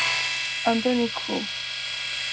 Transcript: Anthony Co.